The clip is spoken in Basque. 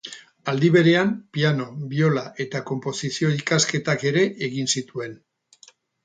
Aldi berean, Piano, Biola eta Konposizio ikasketak ere egin zituen.